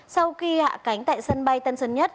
sau khi hạ cánh tại sân bay tân sơn nhất